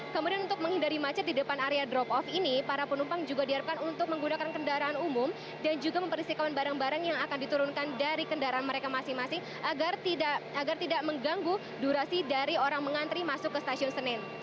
kemudian untuk menghindari macet di depan area drop off ini para penumpang juga diharapkan untuk menggunakan kendaraan umum dan juga mempersihkan barang barang yang akan diturunkan dari kendaraan mereka masing masing agar tidak mengganggu durasi dari orang mengantri masuk ke stasiun senen